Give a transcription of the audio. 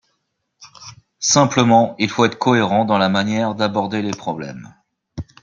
Simplement, il faut être cohérent dans la manière d’aborder les problèmes.